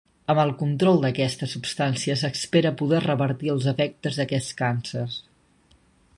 Amb el control d'aquesta substància s'espera poder revertir els efectes d'aquests càncers.